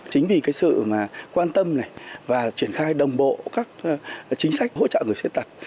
chính vì cái sự quan tâm này và triển khai đồng bộ các chính sách hỗ trợ người khuyết tật